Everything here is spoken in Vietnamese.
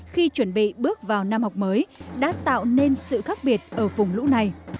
khi chuẩn bị bước vào năm học mới đã tạo nên sự khác biệt ở vùng lũ này